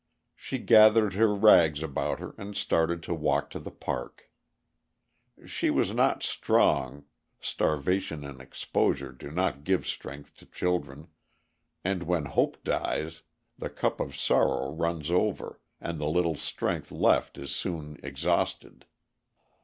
She gathered her rags about her and started to walk to the park. She was not strong—starvation and exposure do not give strength to children—and when hope dies, the cup of sorrow runs over, and the little strength left is soon exhausted.